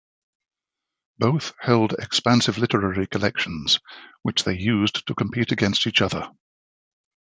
Both held expansive literary collections, which they used to compete against each other.